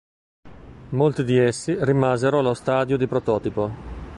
Molti di essi rimasero allo stadio di prototipo.